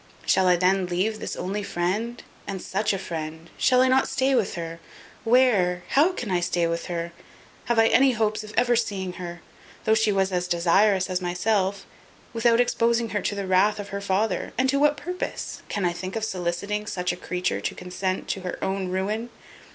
Shall I then leave this only friend and such a friend? Shall I not stay with her? Where how can I stay with her? Have I any hopes of ever seeing her, though she was as desirous as myself, without exposing her to the wrath of her father, and to what purpose? Can I think of soliciting such a creature to consent to her own ruin?